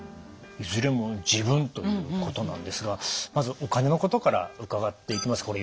いずれも「自分」ということなんですがまずお金のことから伺っていきます。